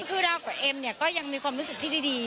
คือเรากับเอ็มเนี่ยก็ยังมีความรู้สึกที่ดี